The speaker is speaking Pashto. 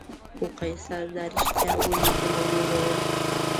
خو قیصر دا رښتیا ولیکل او وویل.